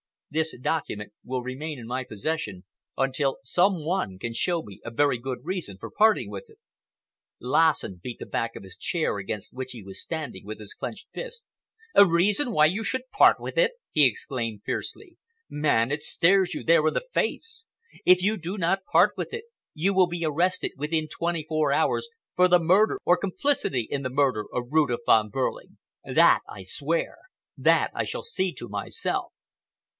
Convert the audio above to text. This document will remain in my possession until some one can show me a very good reason for parting with it." Lassen beat the back of the chair against which he was standing with his clenched fist. "A reason why you should part with it!" he exclaimed fiercely. "Man, it stares you there in the face! If you do not part with it, you will be arrested within twenty four hours for the murder or complicity in the murder of Rudolph Von Behrling! That I swear! That I shall see to myself!"